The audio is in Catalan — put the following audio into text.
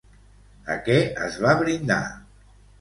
A què es va brindar?